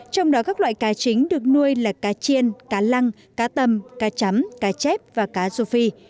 trong đó các loại cá chính được nuôi là cá chiên cá lăng cá tầm cá chấm cá chép và cá rô phi